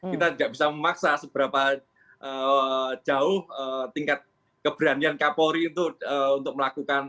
kita tidak bisa memaksa seberapa jauh tingkat keberanian kapolri itu untuk melakukan